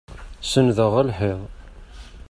Senndeɣ ɣer lḥiḍ.